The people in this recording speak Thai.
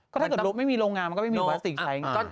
ถ้าเกิดรถไม่มีโรงงานมันก็ไม่มีพลาสติกใช้